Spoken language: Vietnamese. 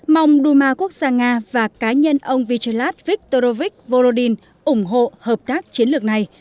mong đu ma quốc gia nga và cá nhân ông vyacheslav viktorovich volodin ủng hộ hợp tác chiến lược này